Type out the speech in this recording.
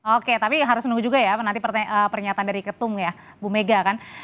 oke tapi harus nunggu juga ya nanti pernyataan dari ketum ya bu mega kan